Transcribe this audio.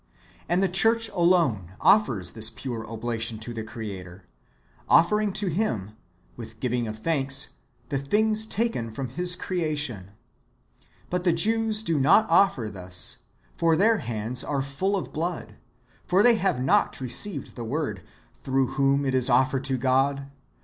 And the church alone offers this pure oblation to the Creator, offering to Him, with giving of thanks, [the things taken] from His creation. But the Jews do not offer thus : for their hands are full of blood ; for they have not received the Word, tlu'ough whom it is offered to God.